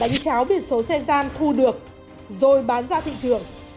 hưng là đánh cháo biển số xe gian thu được rồi bán ra thị trường